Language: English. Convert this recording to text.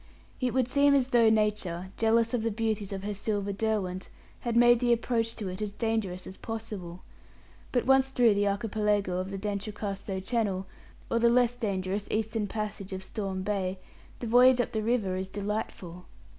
It would seem as though nature, jealous of the beauties of her silver Derwent, had made the approach to it as dangerous as possible; but once through the archipelago of D'Entrecasteaux Channel, or the less dangerous eastern passage of Storm Bay, the voyage up the river is delightful.